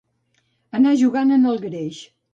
Anar jugant en el greix.